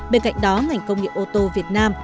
bên cạnh đó ngành công nghiệp ô tô việt nam